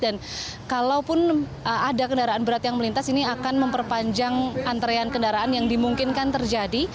dan kalaupun ada kendaraan berat yang melintas ini akan memperpanjang antrean kendaraan yang dimungkinkan terjadi